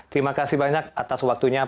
terima kasih banyak atas waktunya